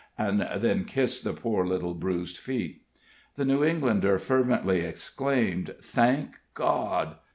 and then kissed the poor little bruised feet. The New Englander fervently exclaimed, "Thank God!"